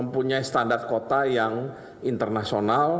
mempunyai standar kota yang internasional